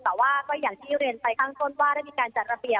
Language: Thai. แต่ว่าก็อย่างที่เรียนไปข้างต้นว่าได้มีการจัดระเบียบ